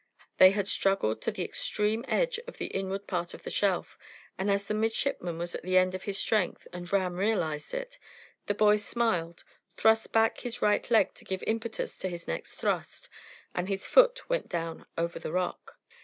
They had struggled to the extreme edge of the inward part of the shelf, and as the midshipman was at the end of his strength, and Ram realised it, the boy smiled, thrust back his right leg to give impetus to his next thrust, and his foot went down over the rock.